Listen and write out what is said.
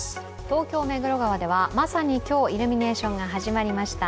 東京・目黒川ではまさに今日イルミネーションが始まりました。